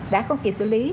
đã không kịp xử lý